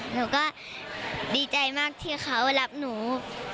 หนูก็ดีใจมากที่เขารับหนู